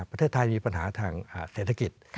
ประเทศไทยมีปัญหาทางเศรษฐกิจ